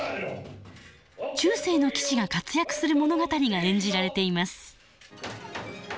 中世の騎士が活躍する物語が演じられています。